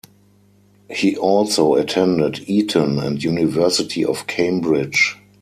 He also attended Eton and University of Cambridge.